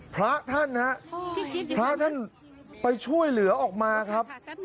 พระท่านฮะพระท่านไปช่วยเหลือออกมาครับ